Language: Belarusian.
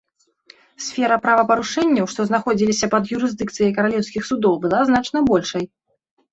Сфера правапарушэнняў, што знаходзіліся пад юрысдыкцыяй каралеўскіх судоў, была значна большай.